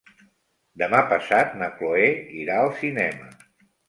Demà passat na Chloé irà al cinema.